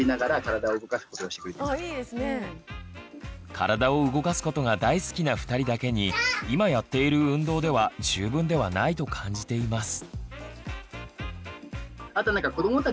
体を動かすことが大好きな２人だけに今やっている運動では十分ではないと感じています。